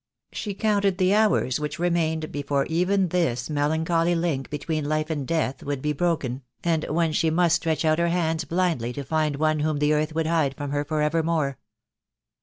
She counted the hours which remained before even this melancholy link between life and death would be broken, and when she must stretch out her hands blindly to find one whom THE DAY WILL COME. I 20, the earth would hide from her for evermore.